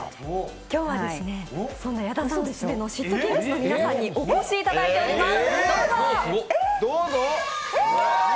今日は、そんな矢田さんオススメのｓ＊＊ｔｋｉｎｇｚの皆さんにお越しいただいております。